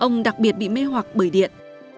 ông đặc biệt bị mê hoạc bởi điện